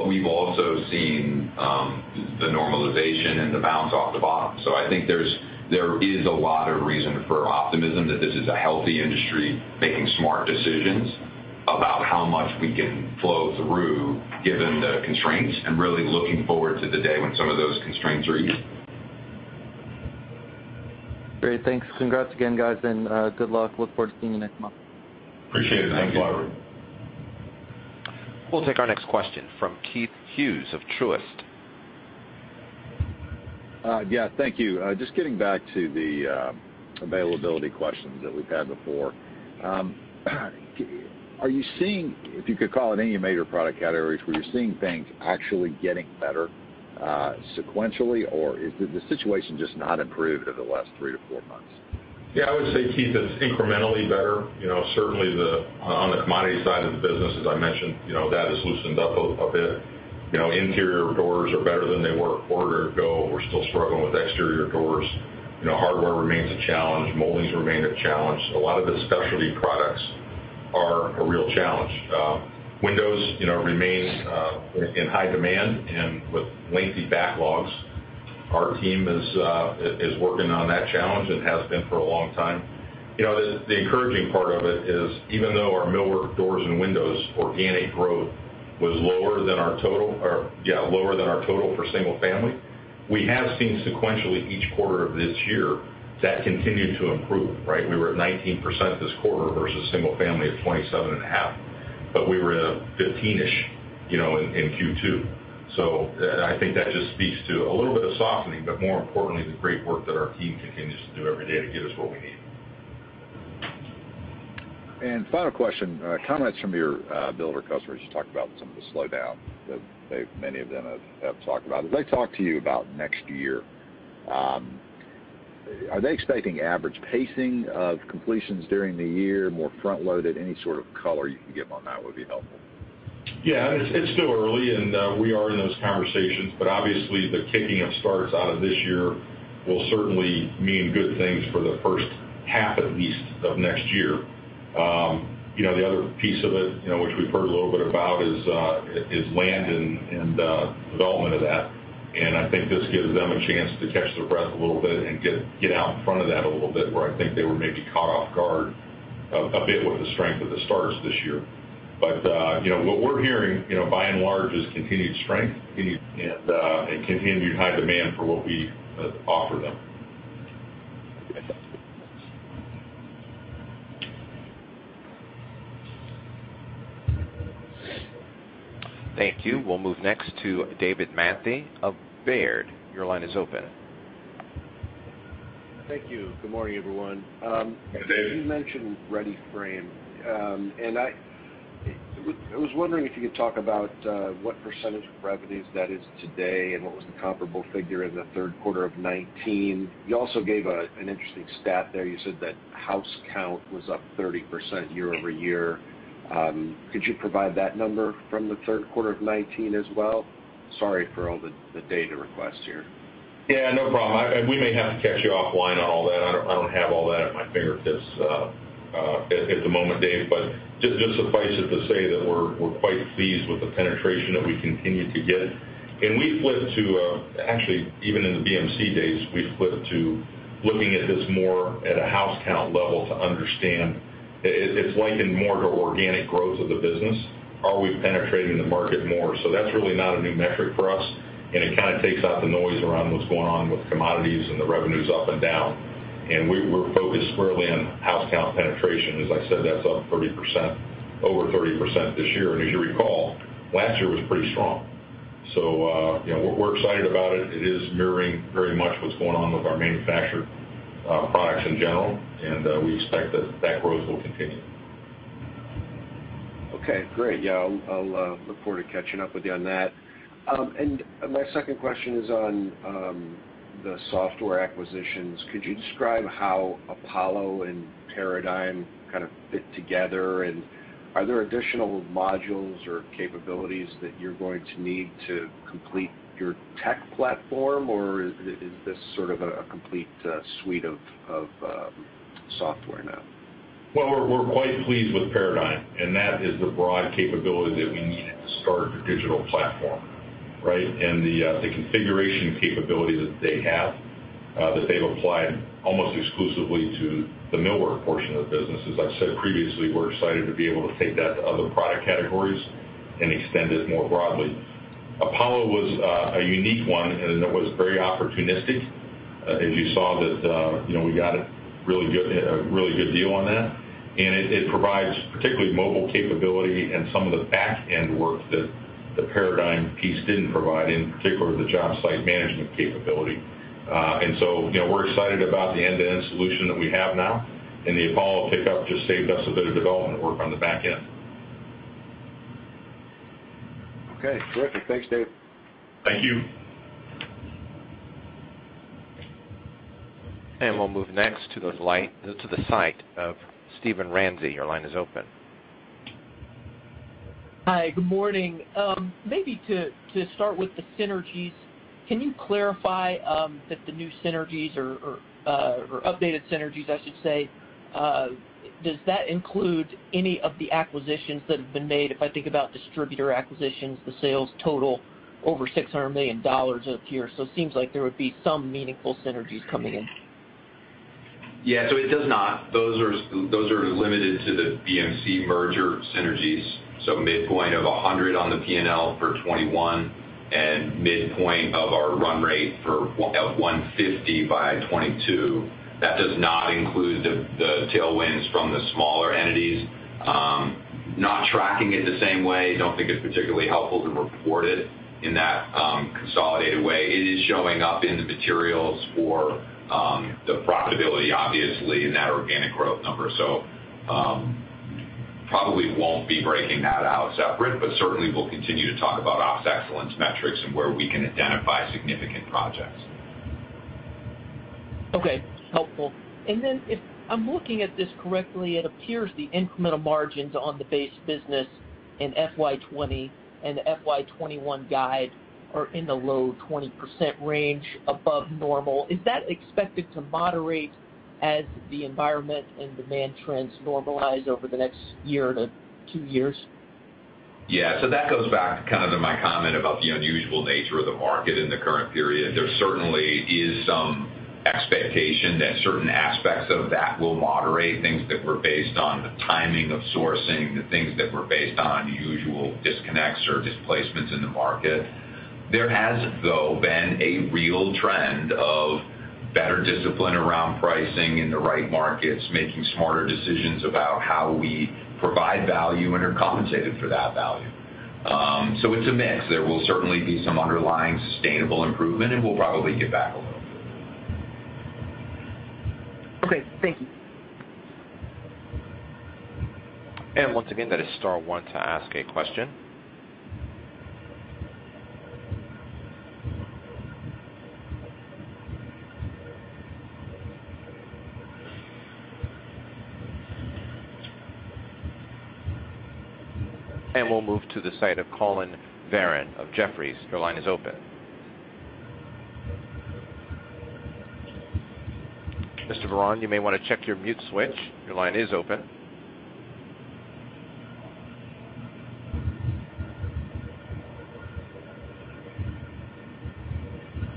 We've also seen the normalization and the bounce off the bottom. I think there is a lot of reason for optimism that this is a healthy industry making smart decisions about how much we can flow through given the constraints and really looking forward to the day when some of those constraints are eased. Great. Thanks. Congrats again, guys, and good luck. Look forward to seeing you next month. Appreciate it. Thanks, Reuben. Thank you. We'll take our next question from Keith Hughes of Truist. Just getting back to the availability questions that we've had before. Are you seeing, if you could call it any major product categories, where you're seeing things actually getting better sequentially, or has the situation just not improved over the last three to four months? Yeah. I would say, Keith, it's incrementally better. You know, certainly, on the commodity side of the business, as I mentioned, you know, that has loosened up a bit. You know, interior doors are better than they were a quarter ago. We're still struggling with exterior doors. You know, hardware remains a challenge. Moldings remain a challenge. A lot of the specialty products are a real challenge. Windows, you know, remain in high demand and with lengthy backlogs. Our team is working on that challenge and has been for a long time. You know, the encouraging part of it is, even though our millwork doors and windows organic growth was lower than our total for single family, we have seen sequentially each quarter of this year that continue to improve, right? We were at 19% this quarter versus single family of 27.5%, but we were at a 15-ish%, you know, in Q2. I think that just speaks to a little bit of softening, but more importantly, the great work that our team continues to do every day to get us what we need. Final question. Comments from your builder customers. You talked about some of the slowdown that many of them have talked about. As they talk to you about next year, are they expecting average pacing of completions during the year, more front-loaded? Any sort of color you can give on that would be helpful. It's still early, and we are in those conversations, but obviously, the kickoff of starts out of this year will certainly mean good things for the first half, at least, of next year. You know, the other piece of it, you know, which we've heard a little bit about, is land and development of that. I think this gives them a chance to catch their breath a little bit and get out in front of that a little bit, where I think they were maybe caught off guard a bit with the strength of the starts this year. You know, what we're hearing, you know, by and large, is continued strength and continued high demand for what we offer them. Okay. Thank you. We'll move next to David Manthey of Baird. Your line is open. Thank you. Good morning, everyone. Good day. You mentioned READY-FRAME. I was wondering if you could talk about what percentage of revenues that is today and what was the comparable figure in the Q3 of 2019. You also gave an interesting stat there. You said that house count was up 30% year-over-year. Could you provide that number from the Q3 of 2019 as well? Sorry for all the data requests here. Yeah, no problem. We may have to catch you offline on all that. I don't have all that at my fingertips at the moment, Dave. But just suffice it to say that we're quite pleased with the penetration that we continue to get. Actually, even in the BMC days, we flipped to looking at this more at a house count level to understand it. It's likened more to organic growth of the business. Are we penetrating the market more? So that's really not a new metric for us, and it kind of takes out the noise around what's going on with commodities and the revenues up and down. We're focused squarely on house count penetration. As I said, that's up 30% over 30% this year. As you recall, last year was pretty strong. You know, we're excited about it. It is mirroring very much what's going on with our manufactured products in general, and we expect that growth will continue. Okay, great. Yeah, I'll look forward to catching up with you on that. My second question is on the software acquisitions. Could you describe how Apollo and Paradigm kind of fit together? And are there additional modules or capabilities that you're going to need to complete your tech platform, or is this sort of a complete suite of software now? Well, we're quite pleased with Paradigm, and that is the broad capability that we needed to start a digital platform, right? The configuration capability that they have that they've applied almost exclusively to the millwork portion of the business. As I've said previously, we're excited to be able to take that to other product categories and extend it more broadly. Apollo was a unique one, and it was very opportunistic. As you saw that, you know, we got a really good deal on that. It provides particularly mobile capability and some of the back-end work that the Paradigm piece didn't provide, in particular the job site management capability. you know, we're excited about the end-to-end solution that we have now, and the Apollo pickup just saved us a bit of development work on the back end. Okay, terrific. Thanks, Dave. Thank you. We'll move next to the site of Steven Ramsey. Your line is open. Hi, good morning. Maybe to start with the synergies, can you clarify that the new synergies or updated synergies I should say, does that include any of the acquisitions that have been made? If I think about distributor acquisitions, the sales total over $600 million up here, so it seems like there would be some meaningful synergies coming in. Yeah. It does not. Those are limited to the BMC merger synergies, so midpoint of $100 on the P&L for 2021 and midpoint of our run rate of $150 by 2022. That does not include the tailwinds from the smaller entities. Not tracking it the same way, don't think it's particularly helpful to report it in that consolidated way. It is showing up in the materials for the profitability obviously in that organic growth number. Probably won't be breaking that out separate, but certainly we'll continue to talk about ops excellence metrics and where we can identify significant projects. Okay. Helpful. If I'm looking at this correctly, it appears the incremental margins on the base business in FY 2020 and FY 2021 guide are in the low 20% range above normal. Is that expected to moderate as the environment and demand trends normalize over the next one to two years? Yeah. That goes back kind of to my comment about the unusual nature of the market in the current period. There certainly is some expectation that certain aspects of that will moderate, things that were based on the timing of sourcing, the things that were based on usual disconnects or displacements in the market. There has, though, been a real trend of better discipline around pricing in the right markets, making smarter decisions about how we provide value and are compensated for that value. It's a mix. There will certainly be some underlying sustainable improvement, and we'll probably give back a little. Okay. Thank you. Once again, that is star one to ask a question. We'll move to the line of Collin Verron of Jefferies. Your line is open. Mr. Verron, you may wanna check your mute switch. Your line is open.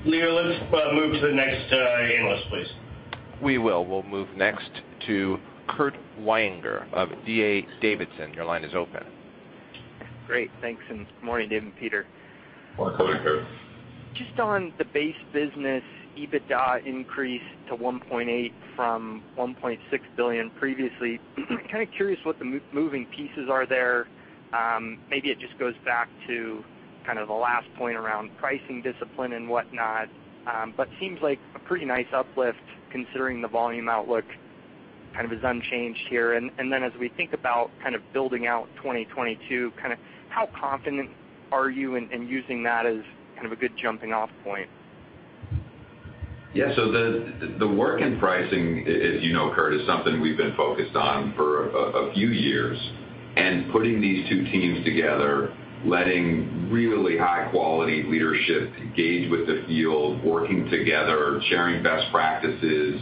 Leo, let's move to the next analyst, please. We will. We'll move next to Kurt Yinger of D.A. Davidson. Your line is open. Great. Thanks, and morning, Dave and Peter. Just on the base business, EBITDA increased to $1.8 billion from $1.6 billion previously. Kind of curious what the moving pieces are there. Maybe it just goes back to kind of the last point around pricing discipline and whatnot. Seems like a pretty nice uplift considering the volume outlook kind of is unchanged here. Then as we think about kind of building out 2022, kind of how confident are you in using that as kind of a good jumping off point? Yeah. The work in pricing, as you know, Kurt, is something we've been focused on for a few years, and putting these two teams together, letting really high quality leadership engage with the field, working together, sharing best practices,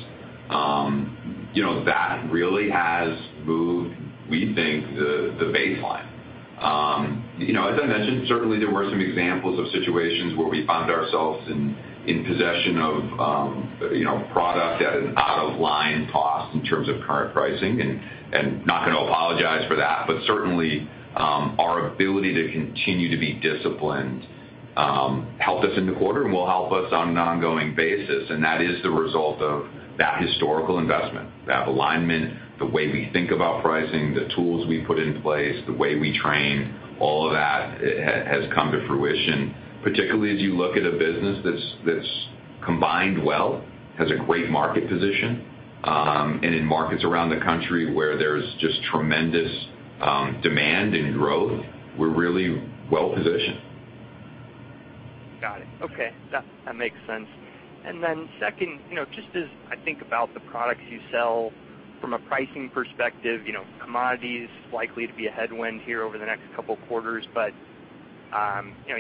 you know, that really has moved, we think, the baseline. As I mentioned, certainly there were some examples of situations where we found ourselves in possession of, you know, product at an out of line cost in terms of current pricing and not gonna apologize for that. Certainly, our ability to continue to be disciplined helped us in the quarter and will help us on an ongoing basis. That is the result of that historical investment. That alignment, the way we think about pricing, the tools we put in place, the way we train, all of that has come to fruition. Particularly as you look at a business that's combined well, has a great market position, and in markets around the country where there's just tremendous demand and growth, we're really well positioned. Got it. Okay. That makes sense. Then second, you know, just as I think about the products you sell from a pricing perspective, you know, commodities likely to be a headwind here over the next couple quarters.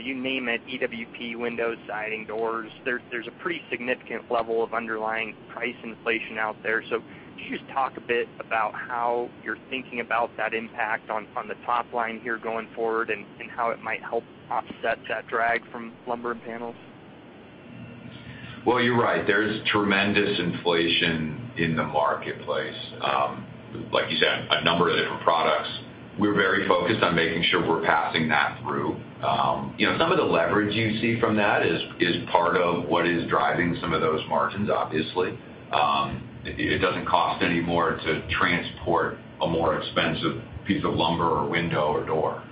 You name it, EWP, windows, siding, doors, there's a pretty significant level of underlying price inflation out there. Could you just talk a bit about how you're thinking about that impact on the top line here going forward, and how it might help offset that drag from lumber and panels? Well, you're right. There's tremendous inflation in the marketplace. Like you said, a number of different products. We're very focused on making sure we're passing that through. You know, some of the leverage you see from that is part of what is driving some of those margins obviously. It doesn't cost any more to transport a more expensive piece of lumber or window or door.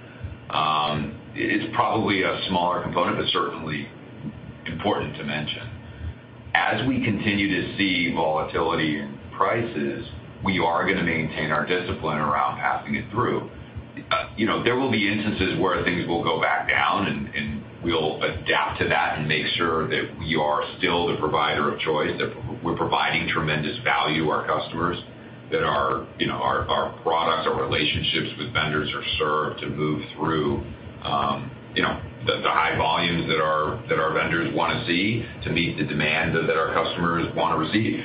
It is probably a smaller component, but certainly important to mention. As we continue to see volatility in prices, we are gonna maintain our discipline around passing it through. You know, there will be instances where things will go back down, and we'll adapt to that and make sure that we are still the provider of choice, that we're providing tremendous value to our customers, that our, you know, our products, our relationships with vendors are served to move through, you know, the high volumes that our vendors wanna see to meet the demand that our customers wanna receive.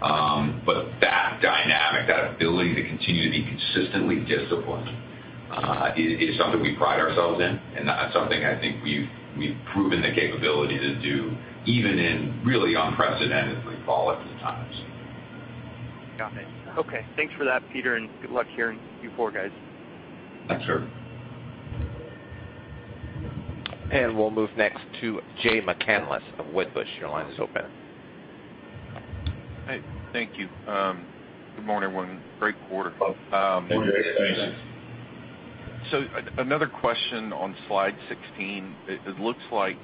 But that dynamic, that ability to continue to be consistently disciplined, is something we pride ourselves in, and that's something I think we've proven the capability to do even in really unprecedentedly volatile times. Got it. Okay. Thanks for that, Peter, and good luck here in Q4, guys. Thanks, Kurt. We'll move next to Jay McCanless of Wedbush Securities. Your line is open. Hey, thank you. Good morning, everyone. Great quarter. Good morning. Thanks. Another question on slide 16. It looks like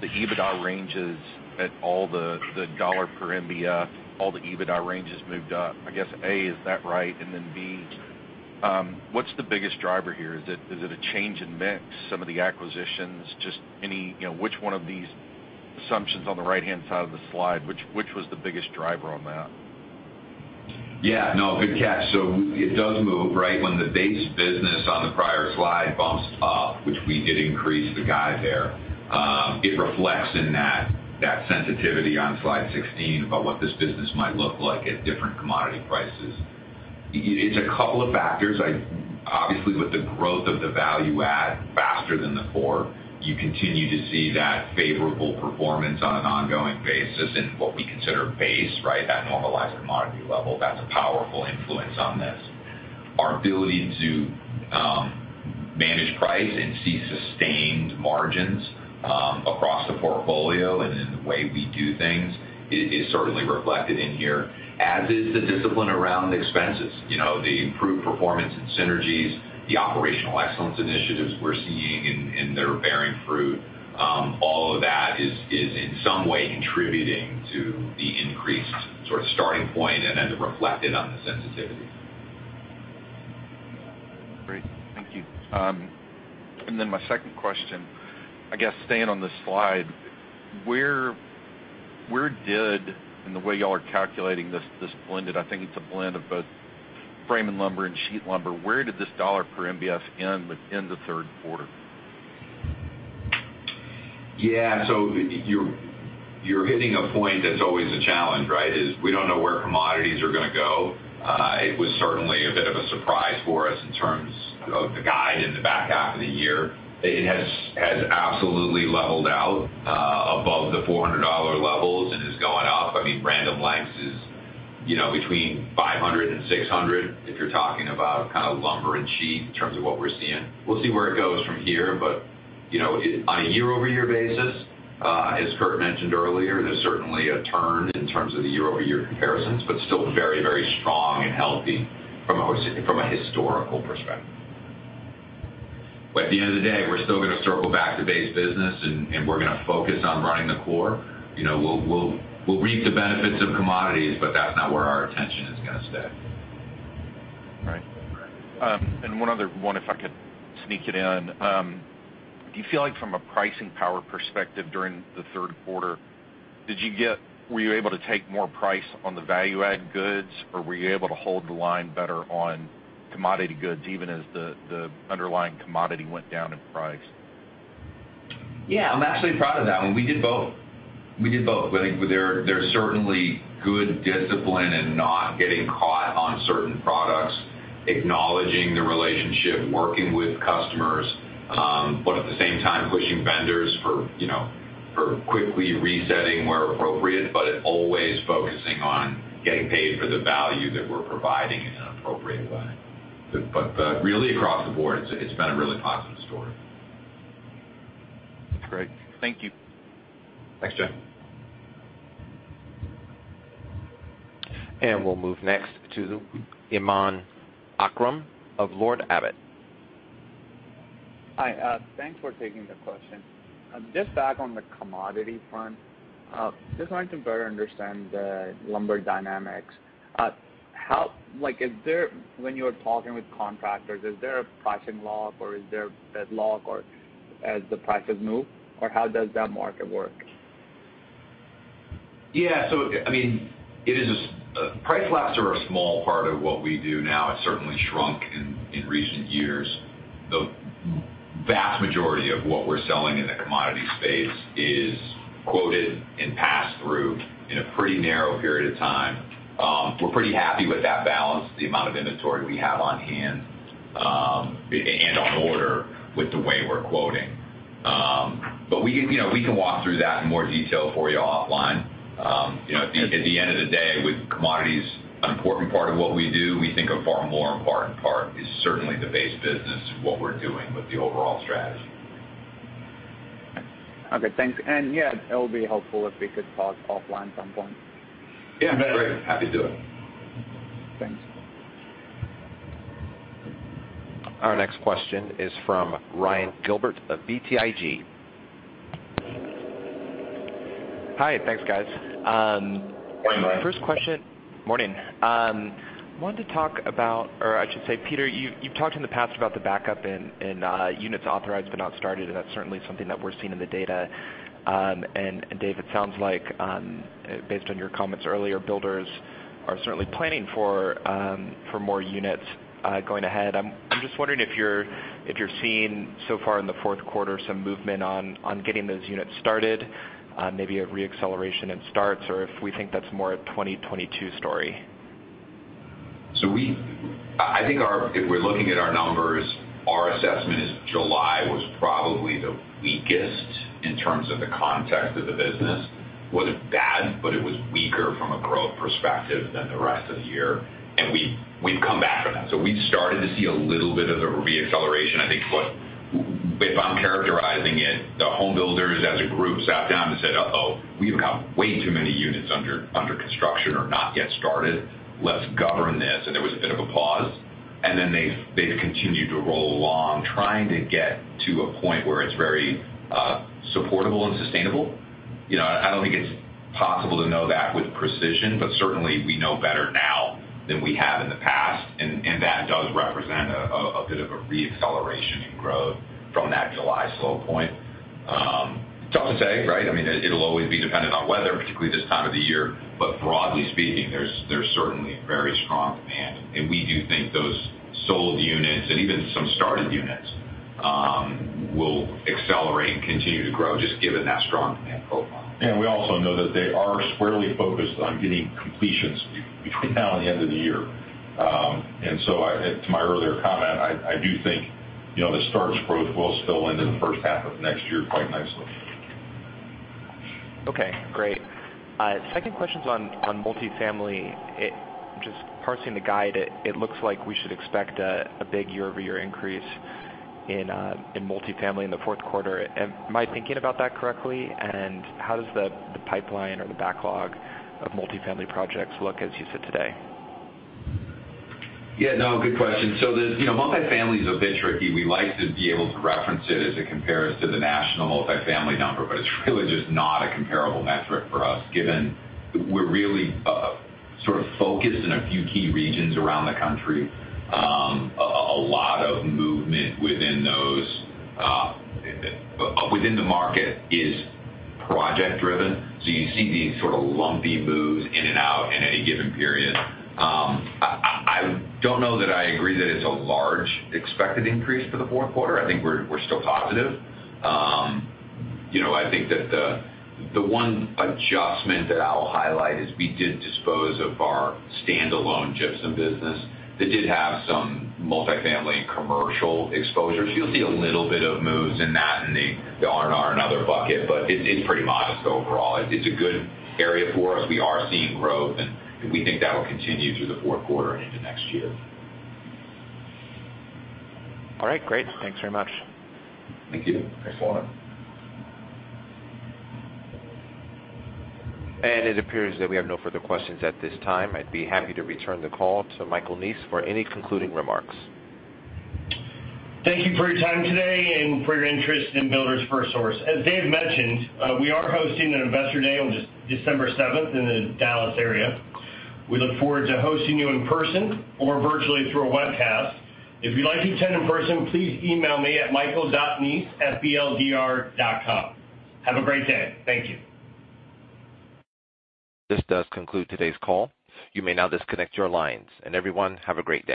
the EBITDA range at all the dollar per MBF has moved up. I guess, A, is that right? B, what's the biggest driver here? Is it a change in mix, some of the acquisitions? You know, which one of these assumptions on the right-hand side of the slide was the biggest driver on that? Yeah. No, good catch. It does move, right? When the base business on the prior slide bumps up, which we did increase the guide there, it reflects in that sensitivity on slide 16 about what this business might look like at different commodity prices. It's a couple of factors. Obviously, with the growth of the value add faster than the four, you continue to see that favorable performance on an ongoing basis in what we consider base, right? That normalized commodity level, that's a powerful influence on this. Our ability to manage price and see sustained margins across the portfolio and in the way we do things is certainly reflected in here, as is the discipline around expenses. You know, the improved performance and synergies, the operational excellence initiatives we're seeing and they're bearing fruit. All of that is in some way contributing to the increased sort of starting point and then reflected on the sensitivity. Great. Thank you. My second question, I guess staying on this slide, in the way y'all are calculating this blended, I think it's a blend of both frame and lumber and sheet lumber, where did this dollar per MBF end within the Q3? Yeah. You're hitting a point that's always a challenge, right? We don't know where commodities are gonna go. It was certainly a bit of a surprise for us in terms of the guide in the back half of the year. It has absolutely leveled out above the $400. You know, between $500 and $600, if you're talking about kind of lumber and sheet in terms of what we're seeing. We'll see where it goes from here. You know, it on a year-over-year basis, as Kurt mentioned earlier, there's certainly a turn in terms of the year-over-year comparisons, but still very, very strong and healthy from a historical perspective. At the end of the day, we're still gonna circle back to base business and we're gonna focus on running the core. You know, we'll reap the benefits of commodities, but that's not where our attention is gonna stay. Right. One other one, if I could sneak it in. Do you feel like from a pricing power perspective during the Q3, were you able to take more price on the value-add goods, or were you able to hold the line better on commodity goods, even as the underlying commodity went down in price? Yeah, I'm actually proud of that one. We did both. But I think there's certainly good discipline in not getting caught on certain products, acknowledging the relationship, working with customers, but at the same time pushing vendors for, you know, for quickly resetting where appropriate, but always focusing on getting paid for the value that we're providing in an appropriate way. But really across the board, it's been a really positive story. Great. Thank you. Thanks, Jay. We'll move next to Imman Akram of Lord Abbett Distributor. Hi. Thanks for taking the question. Just back on the commodity front, just wanted to better understand the lumber dynamics. When you're talking with contractors, is there a pricing lock or as the prices move, or how does that market work? I mean, Price locks are a small part of what we do now. It's certainly shrunk in recent years. The vast majority of what we're selling in the commodity space is quoted and passed through in a pretty narrow period of time. We're pretty happy with that balance, the amount of inventory we have on hand, and on order with the way we're quoting. We can, you know, walk through that in more detail for you offline. You know, at the end of the day, with commodities an important part of what we do, we think a far more important part is certainly the base business, what we're doing with the overall strategy. Okay, thanks. Yeah, it'll be helpful if we could talk offline at some point. Yeah, great. Happy to do it. Thanks. Our next question is from Ryan Gilbert of BTIG. Hi. Thanks, guys. Morning, Ryan. First question. Morning. Wanted to talk about, or I should say, Peter, you've talked in the past about the backup in units authorized but not started, and that's certainly something that we're seeing in the data. Dave, it sounds like, based on your comments earlier, builders are certainly planning for more units going ahead. I'm just wondering if you're seeing so far in the Q4 some movement on getting those units started, maybe a re-acceleration in starts or if we think that's more a 2022 story. I think if we're looking at our numbers, our assessment is July was probably the weakest in terms of the context of the business. It wasn't bad, but it was weaker from a growth perspective than the rest of the year, and we've come back from that. We've started to see a little bit of the re-acceleration. I think if I'm characterizing it, the homebuilders as a group sat down and said, "Uh-oh, we've got way too many units under construction or not yet started. Let's govern this." There was a bit of a pause. Then they've continued to roll along, trying to get to a point where it's very supportable and sustainable. You know, I don't think it's possible to know that with precision, but certainly we know better now than we have in the past, and that does represent a bit of a re-acceleration in growth from that July slow point. It's hard to say, right? I mean, it'll always be dependent on weather, particularly this time of the year. Broadly speaking, there's certainly a very strong demand. We do think those sold units and even some started units will accelerate and continue to grow just given that strong demand profile. We also know that they are squarely focused on getting completions between now and the end of the year. To my earlier comment, I do think, you know, the starts growth will spill into the first half of next year quite nicely. Okay, great. Second question's on multifamily. Just parsing the guide, it looks like we should expect a big year-over-year increase in multifamily in the Q4. Am I thinking about that correctly? And how does the pipeline or the backlog of multifamily projects look as you sit today? Yeah, no, good question. So the, you know, multifamily is a bit tricky. We like to be able to reference it as it compares to the national multifamily number, but it's really just not a comparable metric for us, given we're really sort of focused in a few key regions around the country. A lot of movement within those within the market is project-driven, so you see these sort of lumpy moves in and out in any given period. I don't know that I agree that it's a large expected increase for the Q4. I think we're still positive. You know, I think that the one adjustment that I'll highlight is we did dispose of our standalone gypsum business that did have some multifamily and commercial exposure. You'll see a little bit of moves in that in the R&R and other bucket, but it's pretty modest overall. It's a good area for us. We are seeing growth, and we think that'll continue through the Q4 and into next year. All right, great. Thanks very much. Thank you. Thanks, Ryan. It appears that we have no further questions at this time. I'd be happy to return the call to Michael Neese for any concluding remarks. Thank you for your time today and for your interest in Builders FirstSource. As Dave mentioned, we are hosting an Investor Day on December 7th in the Dallas area. We look forward to hosting you in person or virtually through a webcast. If you'd like to attend in person, please email me at michael.neese@bldr.com. Have a great day. Thank you. This does conclude today's call. You may now disconnect your lines. Everyone, have a great day.